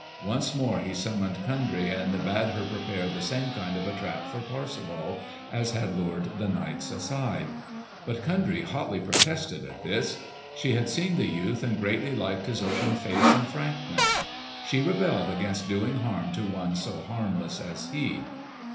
Once more he summoned Kundry and bade her prepare the same kind of a trap for Parsifal as had lured the knights aside. But Kundry hotly protested at this. She had seen the youth and greatly liked his open face and frankness. She rebelled against doing harm to one so harmless as he.